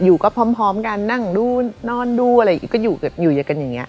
อยู่ก็พร้อมกันนั่งนอนดูอะไรก็อยู่อยู่กันอย่างนี้